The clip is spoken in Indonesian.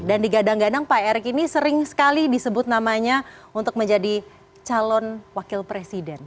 dan digadang gadang pak erik ini sering sekali disebut namanya untuk menjadi calon wakil presiden